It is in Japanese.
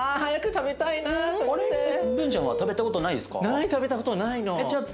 食べたことないの。